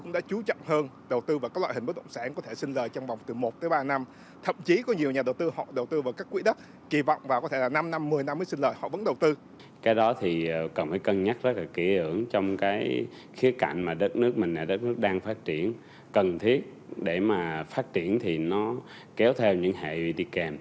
đất nước mình đất nước đang phát triển cần thiết để mà phát triển thì nó kéo theo những hệ đi kèm